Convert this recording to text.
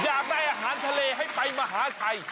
อยากได้อาหารทะเลให้ไปมหาชัย